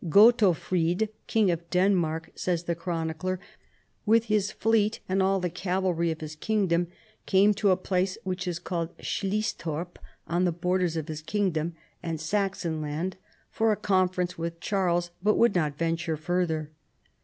" Godof rid, King of Denmark," sa^'s the chronicler, " with his fleet and all the cavalry of his kingdom came to a place which is called Sliesthorp, on the borders of his kingdom and Saxon land, for a conference with Charles, but would not venture further.